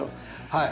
はい。